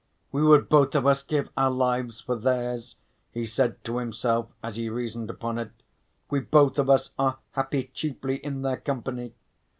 "We would both of us give our lives for theirs," he said to himself as he reasoned upon it, "we both of us are happy chiefly in their company.